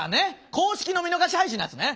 公式の見逃し配信のやつね！